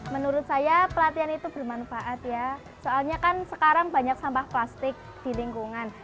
menurut saya pelatihan itu bermanfaat ya soalnya kan sekarang banyak sampah plastik di lingkungan